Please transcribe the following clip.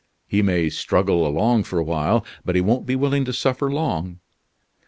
He may struggle along for a while; but he won't be willing to suffer long.